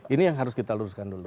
ini yang harus kita luruskan dulu